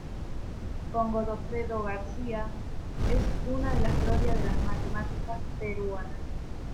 Con Godofredo García, es una de las glorias de la matemática peruana.